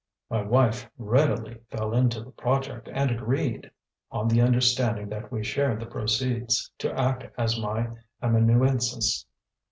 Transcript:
My wife readily fell into the project and agreed, on the understanding that we shared the proceeds, to act as my amanuensis.